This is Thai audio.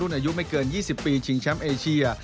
อายุไม่เกิน๒๐ปีชิงแชมป์เอเชีย